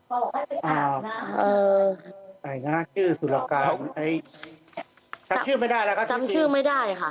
ใครนะฮะชื่อสุรกาวจำชื่อไม่ได้แล้วครับจำชื่อไม่ได้ค่ะ